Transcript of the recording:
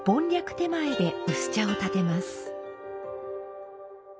点前で薄茶を点てます。